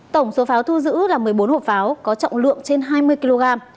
tổng số pháo thu giữ là một mươi bốn hộp pháo có trọng lượng trên hai mươi kg